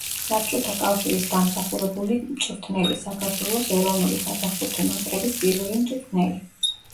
საბჭოთა კავშირის დამსახურებული მწვრთნელი, საქართველოს ეროვნული საფეხბურთო ნაკრების პირველი მწვრთნელი.